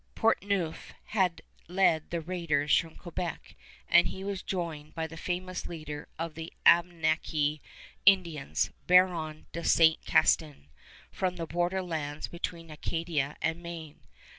Portneuf had led the raiders from Quebec, and he was joined by that famous leader of the Abenaki Indians, Baron de Saint Castin, from the border lands between Acadia and Maine.